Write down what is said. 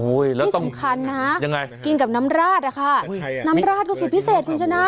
แล้วสำคัญนะยังไงกินกับน้ำราดอะค่ะน้ำราดก็สุดพิเศษคุณชนะ